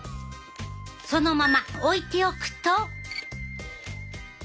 そのまま置いておくと。